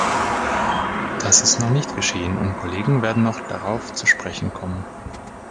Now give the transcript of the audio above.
Das ist noch nicht geschehen, und Kollegen werden noch darauf zu sprechen kommen.